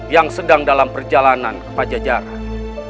yang sedang dalam perjalanan ke pajajaran